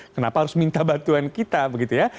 kenapa harus minta bantuan kita begitu ya